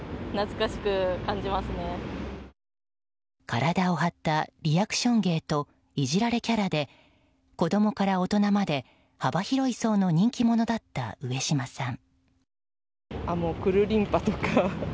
体を張ったリアクション芸といじられキャラで子供から大人まで幅広い層の人気者だった上島さん。